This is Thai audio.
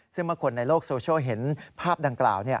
ซึ่งเมื่อคนในโลกโซเชียลเห็นภาพดังกล่าว